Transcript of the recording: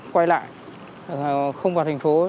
quay lại không vào thành phố